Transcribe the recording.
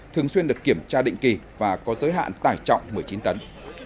thường xuyên được kiểm tra định kỳ và có giới hạn tải trọng một mươi chín tấn